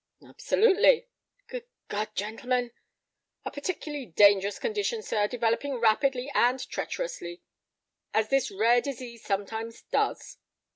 "Absolutely." "Good God, gentlemen!" "A peculiarly dangerous condition, sir, developing rapidly and treacherously, as this rare disease sometimes does."